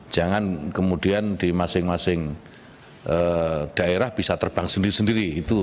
jangan kemudian di masing masing daerah bisa terbang sendiri sendiri